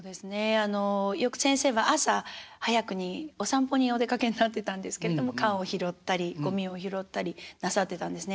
あのよく先生は朝早くにお散歩にお出かけになってたんですけれども缶を拾ったりゴミを拾ったりなさってたんですね。